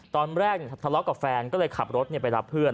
ตอนแรกทะเลาะกับแฟนก็เลยขับรถไปรับเพื่อน